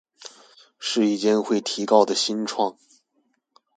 是一間會提告的新創